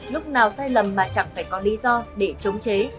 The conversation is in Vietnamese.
lúc nào sai lầm mà chẳng phải có lý do để chống chế